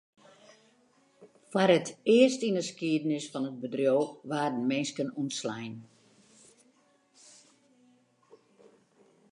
Foar it earst yn 'e skiednis fan it bedriuw waarden minsken ûntslein.